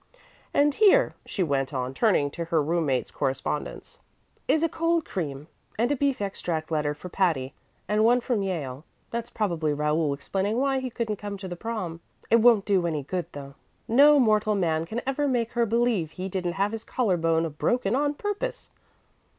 "And here," she went on, turning to her room mate's correspondence, "is a cold cream and a beef extract letter for Patty, and one from Yale; that's probably Raoul explaining why he couldn't come to the Prom. It won't do any good, though. No mortal man can ever make her believe he didn't have his collar bone broken on purpose.